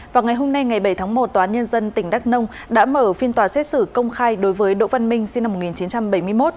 vào ngày hôm nay ngày bảy tháng một tòa án nhân dân tỉnh đắk nông đã mở phiên tòa xét xử công khai đối với đỗ văn minh sinh năm một nghìn chín trăm bảy mươi một